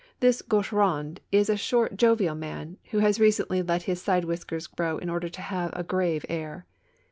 This Gaucheraud is a shorty jovial man, who has recently let his side whiskers grow in order to have a grave air.